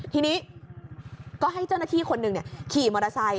ทีนี้ก็ให้เจ้าหน้าที่คนหนึ่งขี่มอเตอร์ไซค